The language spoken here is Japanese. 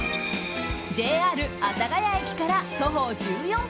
ＪＲ阿佐ケ谷駅から徒歩１４分。